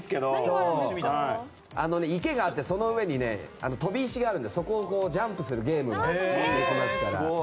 池があってその上に飛び石があるんでそこをジャンプするゲームができますから。